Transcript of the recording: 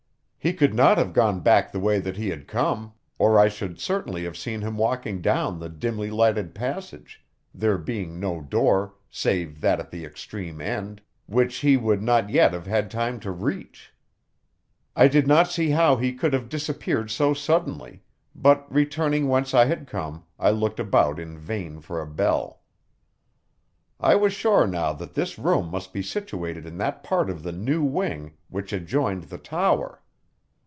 He could not have gone back the way that he had come, or I should certainly have seen him walking down the dimly lighted passage, there being no door save that at the extreme end, which he would not yet have had time to reach. I did not see how he could have disappeared so suddenly, but returning whence I had come, I looked about in vain for a bell. I was sure now that this room must be situated in that part of the new wing which adjoined the tower.